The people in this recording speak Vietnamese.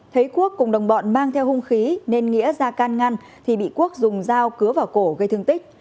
thấy quốc cùng đồng bọn mang theo hung khí nên nghĩa ra can ngăn thì bị quốc dùng dao cứa vào cổ gây thương tích